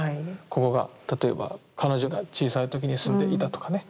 ここが例えば彼女が小さい時に住んでいたとかね。